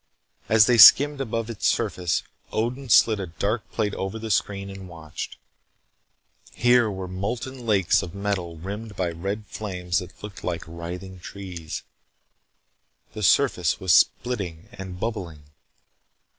As they skimmed above its surface Odin slid a dark plate over the screen and watched. Here were molten lakes of metal rimmed by red flames that looked like writhing trees. The surface was splitting and bubbling.